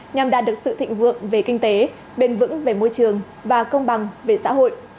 nhằm đạt được sự thịnh vượng về kinh tế bền vững về môi trường và công bằng về xã hội